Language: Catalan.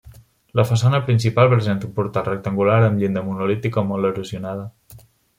La façana principal presenta un portal rectangular amb llinda monolítica molt erosionada.